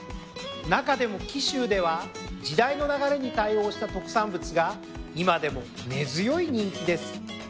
中でも紀州では時代の流れに対応した特産物が今でも根強い人気です。